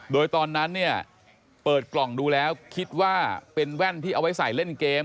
โดยตอนนั้นเนี่ยเปิดกล่องดูแล้วคิดว่าเป็นแว่นที่เอาไว้ใส่เล่นเกม